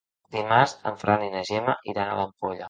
Dimarts en Ferran i na Gemma iran a l'Ampolla.